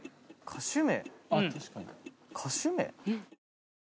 歌手名？